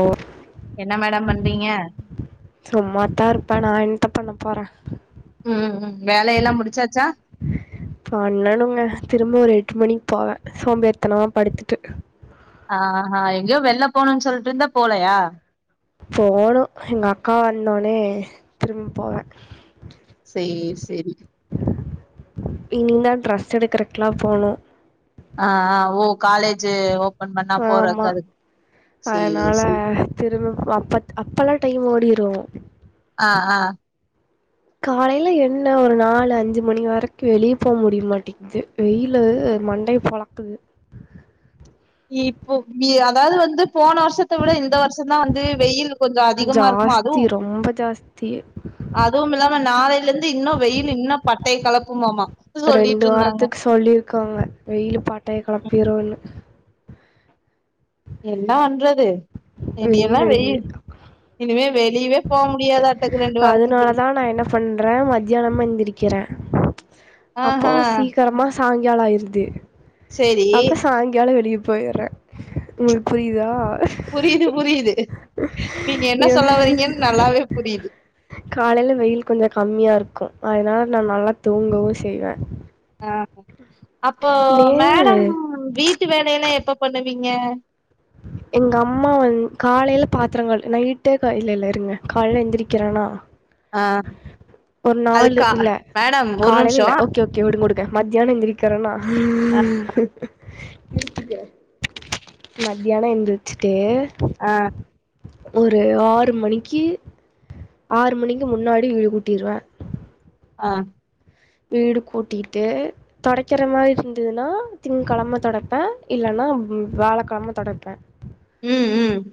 ஓ என்ன மேடம் பண்றீங்க சும்மாதா இருப்பே நா என்த்த பண்ண போறே ம் ம் வேலயெல்லா முடிச்சாச்சா பண்ணனுங்க திரும்ப ஒரு எட்டு மணிக் போவே சோம்பேறித்தனமா படுத்துட்டு ஆ ஆ ஆ எங்யோ வெள்ல போணுன் சொல்ட்ருந்த போலயா போணு எங்க அக்கா வந்தோன்னே திரும்பி போவே சேர் சேரி இனி தா ட்ரஸ் எடுக்கறக்ல்லா போணு ஆ‌ ஆ ஓ காலேஜு ஓப்பன் பண்ணா போறக் ஆமா அதுக் சேர் சே திரும்பியு அப்பத் அப்பல்லா டைம் ஓடிரு ஆ ஆ காலைல என்ன ஒரு நாலு அஞ்சு மணி வரைக்கு வெளிய போ முடிய மாட்டிக்து வெய்லு மண்டைய பொளக்குது இப்போ நீ அதாவது வந்து போன வர்ஷத் த விட இந்த வர்ஷோதா வந்து வெயில் கொஞ்சோ அதிகமாருக்குமா அது ஜாஸ்தி ரொம்ப ஜாஸ்தி அதுவுமில்லாம நாாளைலந்து இன்னு வெயில் இன்னு பட்டைய கெளப்புமாமா சொல்லிட்டு ரெண்டு இருந்தாங்க வாரத்துக்கு சொல்லியிருக்காங்க வெயில்லு பட்டைய ம். கெளப்பிருனு என்னா வண்றது இனி எல்லா வெயில் வெயி அடிக்குது இனிமே வெளியவே போ முடியாதா அதனால தா நா என்ன ப் பண்றே மத்யானமா எந்திருக்கிறே அப்போ ஆஹா சீக்ரமா சாய்ங்காலோ ஆயிருது சேரி அப்போ சாய்ங்காலோ வெளிய போயிரே உங்களுக்கு புரிதா புரிது புரியுது நீங்க என்ன சொல்ல வரீங்கன்னு நல்லாவே புரிது காலைல வெயில் கொஞ்சோ கம்மியாருக்கு அதனால நா நல்லா தூங்கவு செய்வே ஆ அப்போ நேரு மேடம் வீட்டு வேலையெல்லா எப்ப பண்ணுவீங்க எங்கம்மா வந் காலைல பாத்திரங்கங்கள் நைட்டே கல் இல்லெல்ல இருங்க காலைல எந்திரிக்கிறேனா ஆ ஒரு அது நாலு கா இல்ல மேடம் ஒரு காலைல இல்ல நிமிஷம். ஓகே ஓகே வுடுங்க வுடுங்க மத்யானோ எந்திரிக்கிறேனா அ மத்யானோ எந்திச்சிட்டு ஆ ஒரு ஆறு மணிக்கி ஆறு மணிக்கு முன்னாடி வீடு கூட்டிருவே ஆ வீடு கூட்டிட்டு தொடைக்கிற மாரி இருந்ததுன்னா திங் கெழம தொடப்பே இல்லன்னா வியாழக்கெழம தொடப்பே ம் ம்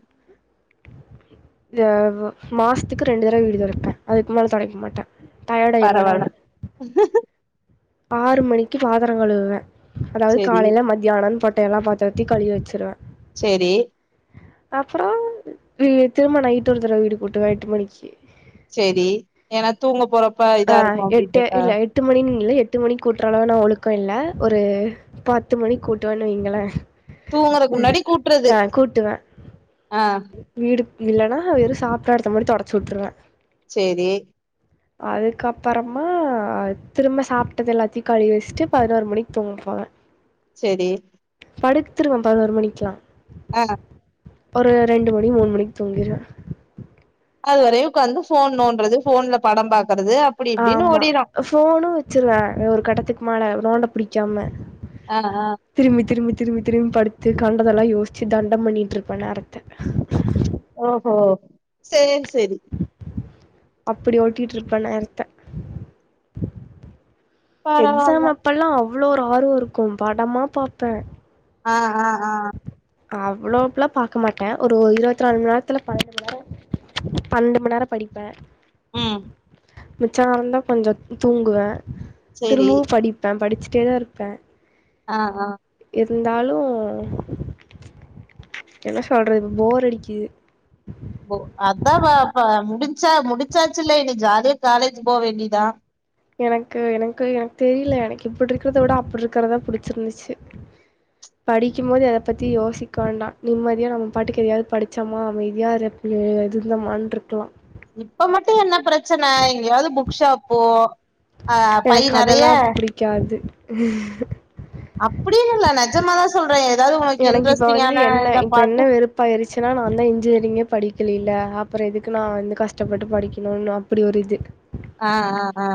மாசத்துக்கு ரெண்டு தடவ வீடு தொடப்பே அதுக்கு மேல தொடைக்க மாட்டே டயர்ட் ஆயிருவே பரவால்ல நானு ஆறு மணிக்கி பாத்ரோ கழுவுவே அதாவது சரி, காலைல மத் த்யானன் போட்ட எல்லா பாத்ரத்யு கழுவி வச்சுருவே சேரி அப்புறோ திரும நைட்டு ஒருத்தரைவை வீடு கூட்டுவே எட்டு மணிக்கு சேரி ஏன்னா தூங்க போறப்பா ஆ இதா இருக்கு அப்டின் எட்டு ட்றல இல்ல எட்டு மணின்னு இல்ல எட்டு மணிக்கு கூட்டுற அளவு நா ஒழுக்கம் இல்ல ஒரு பத்து மணி கூட்டு வணு வைங்கள தூங்குறக்கு முன்னாடி கூட்டறது ஆ வீடு இல்லன்னா வெறு சாப்பாடுற எடத்த மட்டு தொடச்சி விட்டுருவே சேரி அதுக்கப்பறமா திரும்ப சாப்ட்டது எல்லாத்தையு களி வச்சுட்டு பதினோரு மணிக்கு தூங்கபோவ சேரி படுத்துருவ பதினொரு மணிக்ல்லா ஆ ஒரு ரெண்டு மணி மூணு மணிக்கு தூங்கிடுவே அது வரையு உக்காந்து போன் நோன்றது போன்ல படோ பாக்குறது அப் ஆமா ஃபோனு வச்சிருவே ஒரு கட்டத்துக்கு மேல நோண்ட புடிக்காம ஆ ஆ திரும்பி திரும்பி திரும்பி திரும்பி படுத்து கண்டதெல்லா யோச்சு தண்டம் பண்ணிட்ருப்பே நேரத்த ஓஹோ சேர் சேரி அப்டி ஓட்டிட்ருப்ப நேரத்த பரவால்ல. எக்ஸாம் அப்பல்லா அவ்ளோ ஒரு ஆர்வோருக்கும் படமா பாப்ப ஆ ஆ ஆ நா அவ்ளோக்ல பாக்க மாட்டன் ஒரு இருபத்தி நாலு மணி நேரத்துல பன்னெண்டு மணி நேரம் பண்டும நேரம் படிப்பேன் ம் மிச்சாரம் என்ன பன்றது தூங்குவேன் சேரி திரும்பவும் படிப் நான் படிச்சிட்டே தான் இருப்பேன் ஆ ஆ இருந்தாலும் என்ன சொல்கறது இப்போ போர் அடிக்கிது ஒ அதா ப முடிஞ்ச்சா முடிச்சாச்சுல்ல இனி ஜாலிய காலேஜ்க் போ வேண்டியதா எனக்கு எனக்கு எனக் தெரியில எனக்கு இப்ப இருக்ர்த விட அப்ப இருக்கற்தா புடிச்சிருந்ச்சு [inaudible] படிக்கும் போது எத பத்தி யோசிக்க வேண்டாம் நிம்மதியாக நம்ம பாட்டுக்கு எதையாது படிச்சமா அமைதியா அத இருந்தாமான்ட்ருக்கலாம் இப்ப மட்டும் என்ன பிரச்சன எங்கயாது புக் ஷாப்போ அ பை நறைய க்யாது அப்படின் இல்ல நஜமாதான் சொல்ற எதாது உங்கக்கு இன்ட்ரெஸ்ட்டிங்கான என்ன இத இப்போ என்ன பாத்து பாயிருச்சுனா நா வந்து இன்ஜினியரிங்கே படிக்கலேல அப்புறம் எதுக்கு நா வந்து கஷ்டப்பட்டு படிக்கணும்னு அப் படி ஒரு இது ஆ ஆ ஆ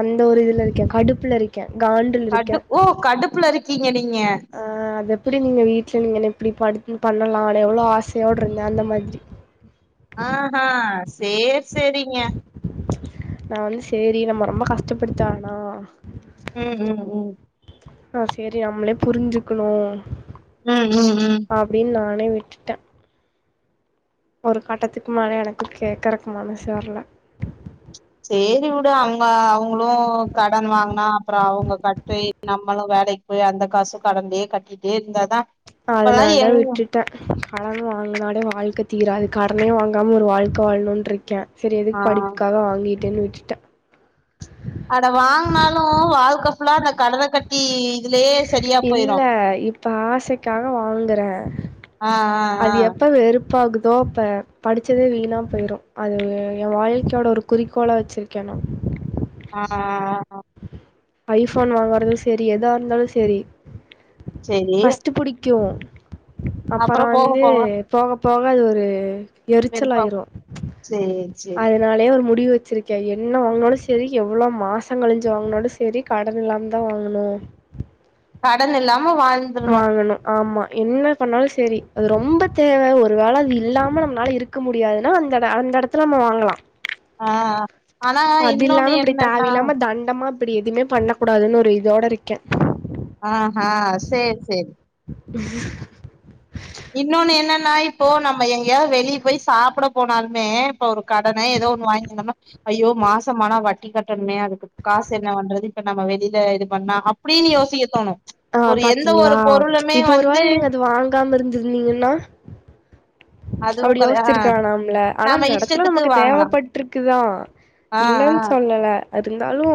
அந்த ஒரு இதுல இருக்கேன் கடுப்புல இருக் க காண்டுல கடு ஓ கடுப்புல இருக்கீங்க நீங்க ஆ அத எப்டி நீங்க வீட்ல நீங்க இப்டி படுத்து பண்ணலாம் எவ்வளோ ஆசையோடு இருந்த அந்த மாதிரி ஆ ஹா சேரி சேரிங்க நா வந்து சேரி நம்ம ரொம்ப கஷ்டப்படுடத்த வேனா ம் ம் ம் ஆ சேரி நம்மளே புரிஞ்சுக்கணும் ம் ம் உம் அப்டின் நானே விட்டுட்டேன் ஒரு கட்டத்துக்கு மேல எனக்கும் கேக்குறக்கு மனசு வர்ல சேரி உடு அவங்க அவங்களும் கடன் வாங்கனா அப்பறோ அவங்க கட்டி நம்மளும் வேலைக் போய் அந்த காசும் கடன்லயே கட்டிட்டே இருந்தா தா அதனால் தா விட்டு டன் கடன் வாங்கனாலே வாழ்க்க தீராது கடனே வாங்காம ஒரு வாழ்க்க வாழணுன்ட்டு இருக்கேன் செரி ஆ எதுக்கு படிப்புக்காக வாங்கிட்டுனு விட்டுட்டேன் அத வாங்னாலும் வாழ்க்க ஃபுல்லா அந்த கடன கட் இல்ல இப்ப ஆசைக்காக வாங்கறேன் ஆ ஆ ஆ அது எப்ப வெறு ப்பாகுதோ அப்ப படிச்சதே வீணா போயிடும் அது என் வாழ்க்கையோட ஒரு குறிக்கோளா வெச்சிருக்கேன் நான் ஆனா ஆ ஆ ஐஃபோன் வாங்கறது செரி எதா இருந்தாலும் செரி சேரி ஃபஸ்ட் புடிக்கு அப்பற அப்புற போக வந்து போக போக அது ஒரு வெறுப்பா போ எரிச்சலாயிரு [inaudible] சேரி சேரி அதனாலயே ஒரு முடிவு வச்சிருக்கே என்ன வாங்னாலு சரி எவ்ளோ மாச கழிஞ்சு வாங்னாலு சரி கடன் இல்லாம தா வாங்கணு கடன் இல்லாம வாழ்ந்துரணு வாங்கணும் ஆமா என்ன பண்ணாலு சேரி அது ரொம்ப தேவ ஒரு வேள அது இல்லாம நம்னால இரு க்க முடியாதுனா அந்த அந்த எடத்துல நம்ம வாங்கலா ஆ ஆனா அது இன்னொன்னு இல்லாம இப்டி தேவ என்னன்னா இல்லாம தண்டமா இப்படி எதுமே பண்ணக்கூடாதுனு ஒரு இதோட இருக்கே ஆ ஹா சேர் செரி இன்னொன்னு என்னன்னா இப்போ நம்ம எங்கேயாவது வெளிய போய் சாப்ட போனாலுமே இப்ப ஒரு கடனே ஏதோ ஒண்ணு வாங்கிருந்தம்னா ஐயோ மாசமானா வட்டி கட்டணுமே அதுக்கு காசு என்ன பண்றது இப்ப நம்ம வெளில இது பண்ணா அப்டின் யோசிக்க தோணு ஆ ஒரு எந்த பாத்தீங்ளா ஒரு பொருளுமே இப்போ ஒரு வந்து வேள் நீங்க அது வாங்காம இருந்திருந்தீங்கன்னா அதுவு அப்டி கெடை ஆ யோசிச்சிருக்க வேணாமில ஆனா நாம அந்த எடத்துல இஷ்டத்துக்கு நமக்கு வாங்கலா தேவைப்பட்ருக்குதா ஆ ஆ இல்லன் சொல்லல இருந்தாலு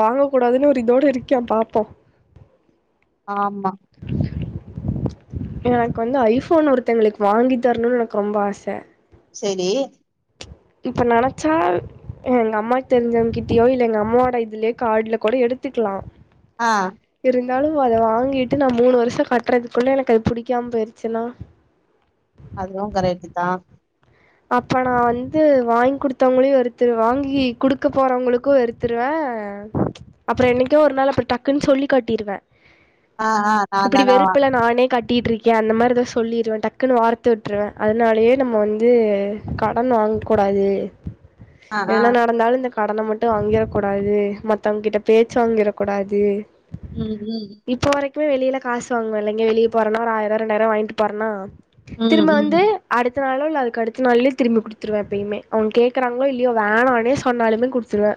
வாங்க கூடாதுனு ஒரு இதோட இருக்கே பாப்போ ஆம்மா எனக்கு வந்து ஐஃபோன் ஒருத்தங்களுக்கு வாங்கி தரணுன்னு எனக்கு ரொம்ப ஆச செரி இப்ப நெனச்சா எங்க அம்மாக் தெரிஞ்சவங்க கிட்டயோ இல்ல எங்க அம்மோட இதுலயே காட்ல கூட எடுத்துக்லா ஆ இருந்தாலு அத வாங்கிட்டு நா மூணு வருஷோ கட்டுறதுக்குள்ள எனக்கு அது புடிக்காம போயிருச்சுனா அதுவு கரைட்டு தா அப்ப நா வந்து வாங்கி குடுத்தவங்களையு வெறுத்துருவே வாங்கி குடுக்க போறவங்களுக்கு வெறு த்ருவே அப்பறோ என்னைக்கோ ஒரு நாள் அப்பறோ டக்குன் சொல்லி் காட்டிருவே ஆ ஆ நா இப்புடி தானா வெறுப்புல நானே கட் டிட்ருக்கே அந்த மாரி எதா சொல்லிருவே டக்குனு வார்த்த விட்ருவே அதனாலயே நம்ம வந் து கடன் வாங் கூடாது ஆ ஆ என்ன நடந்தாலு இந்த கடன மட்டு வாங்கிற கூடாது மத்தவங்க கிட்ட பேச்சு வாங்கிற கூடாது ம் ம் இப்போ வரைக்குமே வெளில காசு வாங்வேன்ல எங்க வெளிய போறன்னா ஒரு ஆயிரோ ரெண்டாயிரோ வாங்ட் போறன்னா ம் ம் திரும்ப ம் வந்து அடுத்த நாளோ இல்ல அது கடுத்த நாள்லயே திரும்பி குடுத்துருவே எப்பயுமே அவுங்க கேக்குறாங்ளோ இல்லையோ வேணானே சொன்னாலுமே குடுத்துருவே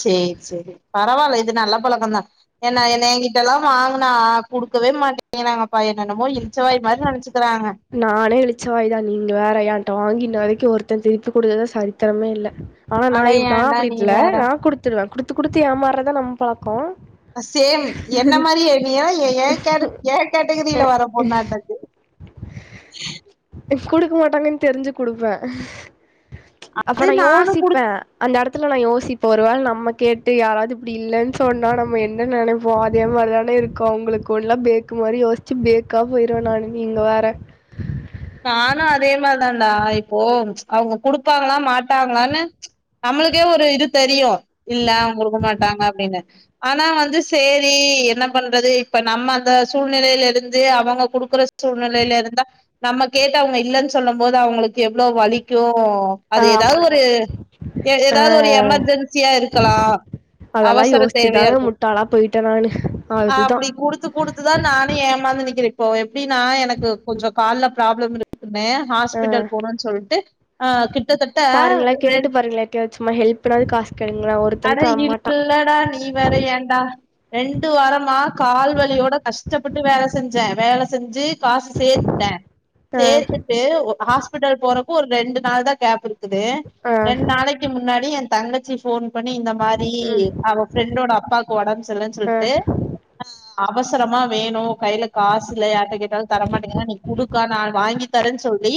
சேர் சேரி பரவால்ல இது நல்ல பழக்கோ தா என்ன என்ன ஏன்கிட்டெல்லா வாங்குனா குடுக்கவே மாட் டேங்றாங்கப்பா என்ன என்னமோ இள்ச்சவாய் மாறி நெனச்சிக்றாங்க நானே இளிச்சவாய்தா நீங்க வேற ஏன்ட்ட வாங்கி இன்ன வரைக்கு ஒருத்த திருப்பி குடுத்ததா சரித்திரமே இல்ல ஆ நா அட இவ் நா ஏன்டா அப்டி நீ இல்ல வேற நா குடுத்துருவ குடுத்து குடுத்து ஏமார்றதா நம் பழக்கோ சேம் என்ன மாரியே நீ எ ஏ கேரட் ஏ கேட்டகிரில வர பொன்னாட்டுக்கு இப் குடுக்க மாட்டாங்கன் தெரிஞ்சு குடுப்ப அப்ப அது நா நானு குடு யோசிப்ப அந்த எடத்துல நா யோசிப்போ ஒருவேல நம்ம கேட்டு யாராவது இப்டி இல்லன்னு சொன்னா நம்ம என்ன நெனைப் இப்போ அதே மாரிதான இருக்கு ஒங்களுக்கு எல்லா பேக்கு மாரி யோச்சு பேக்கா போயிருவ நானு நீங்க வேற நானு அதே மாற்தான்டா இப்போ அவுங்க குடுப்பாங்ளா மாட்டாங்ளான்னு நம்மளுக்கே ஒரு இது தெரியு இல்ல அவுங்க குடுக்க மாட்டாங்க அப்டீன்னு ஆனா வந்து சேரி என்ன பண்றது இப்ப நம்ம அந்த சூழ்நெலையிலருந்து அவுங்க குடுக்கற சூழ்நெலையிலருந்தா நம்ம கேட்டு அவவுங்க இல்லனு சொல்லும் போது அவுங்களுக்கு எவ்ளோ வலிக்கு அது ஆ ஏதாவது அப்டிதா ஒரு ஆ ஏதாவது ஒரு எமெர்ஜென்சியா இருக்கலா அதெல்லா யோசிச்சுதாங்க முட்டாளா போயிட்டே நானு அதுதா குடுத்துதா நானு ஏமாந்து நிக்கிறே இப்போ எப்டின்னா எனக்கு கொஞ்சோ கால்ல ப்ராப்ளம் இருக்குன்னு ஆ ஹாஸ்பிட்டல் போனுன்னு சொல்லிட்டு அ கிட்டத்தட்ட பாருங்களே கேட்டு ரெண் பாருங்களே யார்ட்டயாவது சும்மா ஹெல்ப்னாவது காசு கேளுங்களே ஒருத்தனு அது தரமாட்டா இல்லடா நீ வேற ஏன் டா ரெண்டு வாரமா கால் வலியோட கஷ்டப்பட்டு வேல செஞ்சே வேல செஞ்சு காசு ட ஆ சேத்துட்டு ஒ ஹாஸ்பிட்டல் போறப்போ ஒரு ரெண்டு நாள் தா கேப்புருக் க்குது ஆ ரெண்ட் நாளைக்கி முன்னாடி எ தங்கச்சி ஃபோன் பண்ணி இந்த மாரி ம் அவ ஃப்ரெண்டோட அப்பாக்கு ஒடம் சர்லன்னு ஆ சொல்ட்டு அ அவசரமா வேணு கையில காசுல்ல யார்ட்ட கேட்டாலு தரமாட்டீங்கிறங் நீ குடுக்கா நா வாங் நீ தரேன் சொல்லி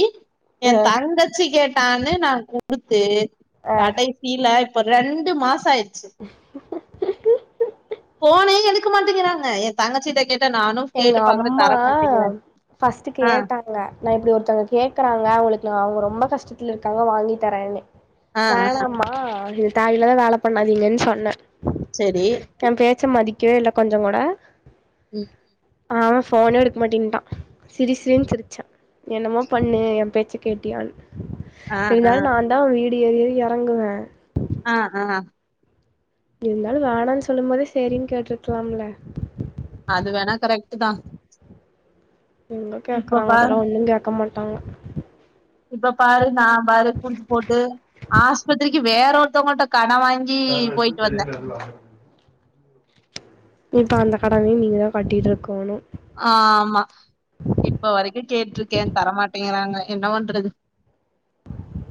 எ ஆ தங்கச்சி கேட்டான்னு நா குடுத்து ஆ கடைஸ் இல்ல இப்ப ரெண்டு மாசாய்டுச்சு ஃபோனே எடுக்க மாட்டங்கிறாங்க ஏ தங்கச்சீட்ட கேட்ட நானு கேட்டு பாக்கற தர மாட்டங்கிறாங் ஃபர்ஸ்ட் கேட்ட ங்க நா இப்டி ஒருத்தங்க கேக்கறாங்க அவங்களுக்கு அவுங்க ரொம்ப கஷ்டத்துல இருக்காங்க வாங்கி தரேன்னு ஆ ஆ வேணாம்மா இது தேவயில்லாத வேல பண்ணாதீங்கன் சொன்ன செரி ஏ பேச்ச மதிக்கவே இல்ல கொஞ்சங்கூட ம் ம் அவே ஃபோனே எடுக்க மாட்டேன்ட்டா சிரி சிரின்னுு சிரிச்சா என்னமோ பண்ணு ஏ பேச்ச கேட்டியானு ஆ ஆ இருந்தாலு நா தா வீடு ஏறி ஏறி எறங்குவ ஆ ஆ எப்டி இருந்தாலு வேணான்னு சொல்லும் போதே சேரின்னு கேட்ருக்லாம்ல அது வேணா கரெக்ட்டு தா எங்க இப்ப கேக்றாங்க பாரு அதெல்லா ஒண்ணு கேக்க மாட்டாங்க இப்ப பாரு நா பாரு குடுத்து போட்டு ஆஸ்பத்ரிக்கி வேற ஒருத்தவங்கள்ட கட வாங்கி கீ போய்ட்டு வந்த அதுவா இப்ப அந்த கடன்யு நீங்கதா கட்டிட்டு இருக்கோணு ஆ ஆமா இப்ப வரைக்கு கேட்ருக்கே தரமாட்டேங்றாங்க என்ன பண்றது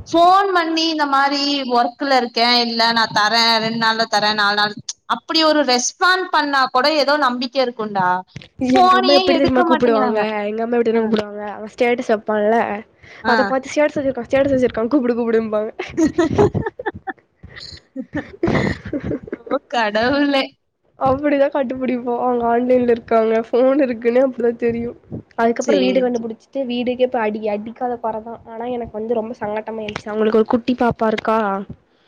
ஃபோன் பண்ணி இந்த மாரி ஒர்க்ல இருக்கே இல்ல நா தரே ரெண்டு நாள்ல தரே நாலு நாள் அப்படி ஒரு ரெஸ்பாண்ட் பண்ணா கூட ஏதோ நம்பிக்கை இருக்கும்டா எங்க அம்மா எப்படித்தனமா கூப்புடுவாங்க எங்க அம்மா எப்படி ஆ தனமா கூப்புடுவாங்க அவ ஸ்டேட்டஸ் வெப்பான்ல ஆ அத பாத்து ஸ்டேட்டஸ் வச்சிருக்கா ஸ்டேட்டஸ் வச்சிருக்கா கூப்புடு கூப்புடும்பாங்க ஓ கடவுளே அப்படிதா கண்டுபிடிப்போ அவங்க ஆன்லைன்ல இருக்காங்க ஃபோன் இருக்குன்னு அப்டிதா தெரியு அதுக்கப்பறோ வீடு சேரி சேரி கண்டுபிடிச்சு த்து வீடுக்கே போய் அடி அடிக்காத கொறதா ஆனா எனக்கு வந்து ரொம்ப சங்கட்டமாயிடுச்சு அவங்களுக்கு ஒரு குட்டி பாப்பா இருக்கா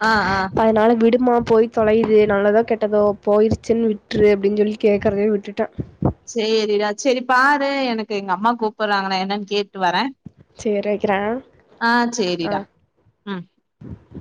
ஆ ஆ ம்ச் அதனால விடுமா போய் தொலைையுது நல்லதோ கெட்டதோ போயிருச்சுன்னு விட்ரு அப்டின்னு சொல்லி கேக்கறதே விட்டுட்ட சேரிடா சேரி பாரு எனக்கு எங்க அம்மா கூப்பிடுறாங்க நா என்னன்னு கேட்டு வரே சேரி வைக்கிறே ஆ சேரிடா ம் உ [inaudible]